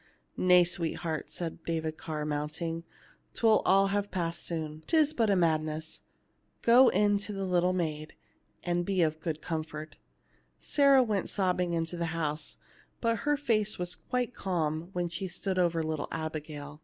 "Nay, sweetheart," said David Carr, mount ing, " 'twill all have passed soon ; 'tis but a mad ness. Go in to the little maid, and be of good comfort." 250 THE LITTLE MAID AT THE DOOR Sarah went sobbing into the house, but her face was quite calm when she stood over little Abigail.